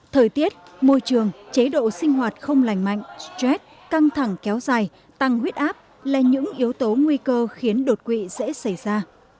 thời tiết môi trường chế độ sinh hoạt không lành mạnh stress căng thẳng kéo dài tăng huyết áp là những yếu tố nguy cơ khiến đột quỵ dễ xảy ra